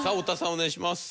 お願いします。